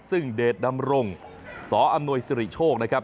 ซึ่งเดชนำรงค์สอศิริโชคนะครับ